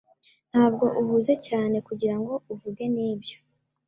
Ntabwo uhuze cyane kugirango uvuge nibyo